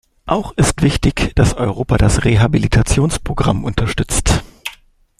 Auch ist wichtig, dass Europa das Rehabilitationsprogramm unterstützt.